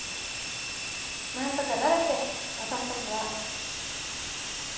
なんとかなるって私たちなら。